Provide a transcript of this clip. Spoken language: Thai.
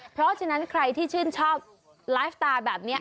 เพราะฉะนั้นใครที่ชื่นชอบไลฟ์สตาร์แบบนี้